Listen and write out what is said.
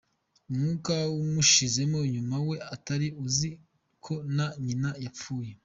Umwuka wamushizemo nyuma, we utari uzi ko na nyina yapfuye.